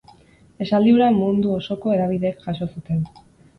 Esaldi hura mundu osoko hedabideek jaso zuten.